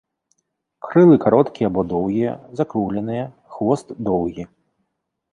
Крылы кароткія або доўгія, закругленыя, хвост доўгі.